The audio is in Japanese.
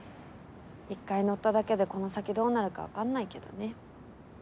一回載っただけでこの先どうなるかわかんないけどね。